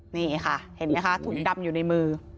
นี่ค่ะเห็นไหมคะถุงดำอยู่ในมือ